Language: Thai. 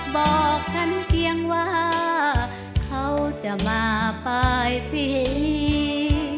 บอกฉันเพียงว่าเขาจะมาปลายปี